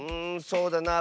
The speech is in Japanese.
そうだな。